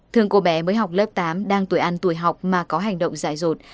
thường cô bé mới học lớp tám đang tuổi ăn tuổi học mà có hành động dài rột